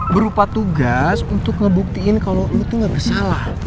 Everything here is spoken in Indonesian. berupa tugas untuk ngebuktiin kalo elu tuh gak bersalah